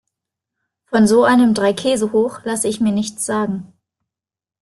Von so einem Dreikäsehoch lasse ich mir nichts sagen.